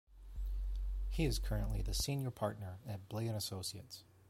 He is currently the Senior Partner at Blay and Associates.